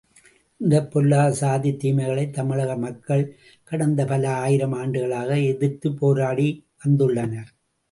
இந்தப் பொல்லாத சாதித் தீமைகளைத் தமிழக மக்கள் கடந்த பல ஆயிரம் ஆண்டுகளாக எதிர்த்துப் போராடி வந்துள்ளனர்.